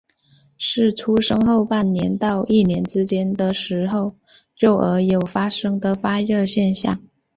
是出生后半年到一年之间的时候幼儿有发生的发热现象。